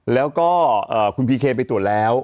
แล้วก็คุณพีเคไปตรวจแล้ว